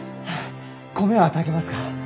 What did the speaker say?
米は炊けますか？